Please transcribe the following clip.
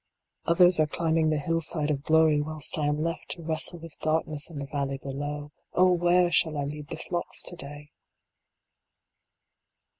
Others are climbing the hill side of glory whilst I am left to wrestle with darkness in the valley below. Oh where shall I lead the flocks to day